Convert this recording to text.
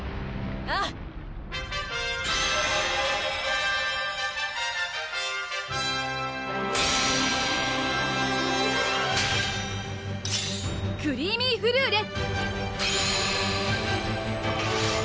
ああクリーミーフルーレ！